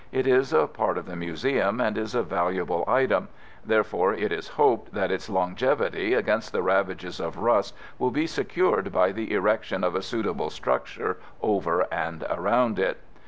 It is a part of the Museum, and is a valuable item; therefore, it is hoped that its longevity against the ravages of rust will be secured by the erection of a suitable structure over and around it.